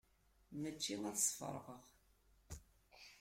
Mačči ad sferɣeɣ.